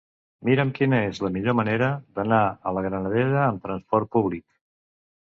Mira'm quina és la millor manera d'anar a la Granadella amb trasport públic.